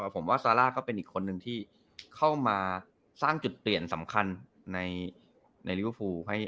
ผมว่าซาร่าก็เป็นอีกคนนึงที่เข้ามาสร้างจุดเปลี่ยนสำคัญในลิเวอร์ฟูล